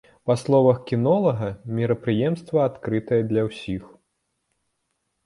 Па словах кінолага, мерапрыемства адкрытае для ўсіх.